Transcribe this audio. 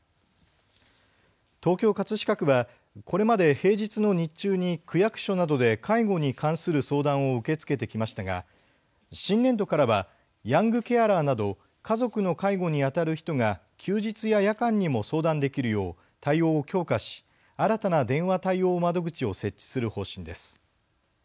東京葛飾区はこれまで平日の日中に区役所などで介護に関する相談を受け付けてきましたが新年度からはヤングケアラーなど家族の介護にあたる人が休日や夜間にも相談できるよう対応を強化し新たな電話対応窓口を設置する方針です。